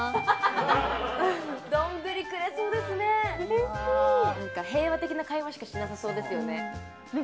嬉しい平和的な会話しかしなさそうですよね